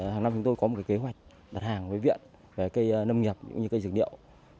hàng năm chúng tôi có một kế hoạch đặt hàng với viện về cây nâm nghiệp cây dược liệu